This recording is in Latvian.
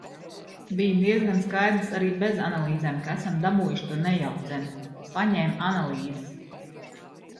Bija diezgan skaidrs, arī bez analīzēm, ka esam dabūjuši to nejauceni. Paņēma analīzes.